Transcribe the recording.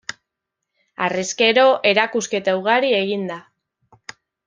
Harrezkero erakusketa ugari egin da.